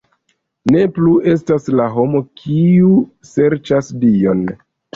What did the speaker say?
Ne plu estas la homo kiu serĉas Dion!